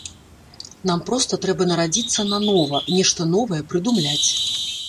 Нам проста трэба нарадзіцца нанова, нешта новае прыдумляць.